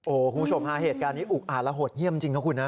โอ้โหคุณผู้ชมฮะเหตุการณ์นี้อุกอาจและโหดเยี่ยมจริงนะคุณนะ